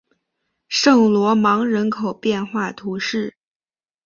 圣罗芒人口变化图示